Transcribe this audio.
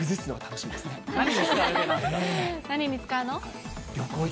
何に使うの？